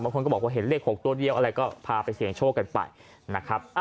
คนก็บอกว่าเห็นเลข๖ตัวเดียวอะไรก็พาไปเสี่ยงโชคกันไปนะครับ